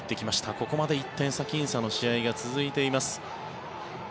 ここまで１点差きん差の試合が続いています。